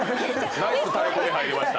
ナイスタレコミ入りました。